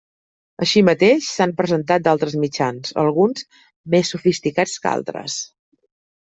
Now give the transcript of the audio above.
Així mateix s'han presentat altres mitjans, alguns més sofisticats que altres.